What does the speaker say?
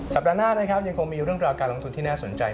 ปัดหน้านะครับยังคงมีเรื่องราวการลงทุนที่น่าสนใจ